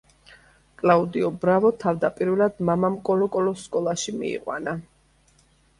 კლაუდიო ბრავო თავდაპირველად მამამ „კოლო-კოლოს“ სკოლაში მიიყვანა.